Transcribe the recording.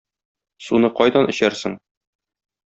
Суны кайдан эчәрсең?